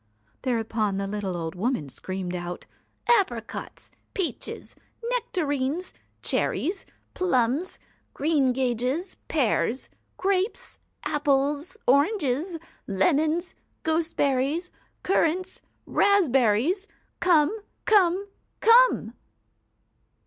'Thereupon the little old woman screamed out: 222 "Apricots, peaches, nectarines, cherries, plums, THE greengages, pears, grapes, apples, oranges, W ,? A IT . E lemons, gooseberries, currants, raspberries, come !^ A J come ! come